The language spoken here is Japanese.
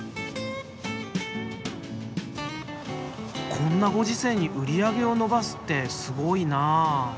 こんなご時世に売り上げを伸ばすってすごいなあ。